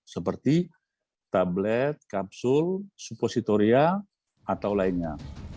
seperti tablet kapsul supositoria atau lainnya